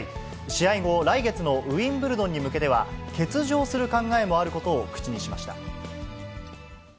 試合後、来月のウィンブルドンに向けては、欠場する考えもあることを口にしました。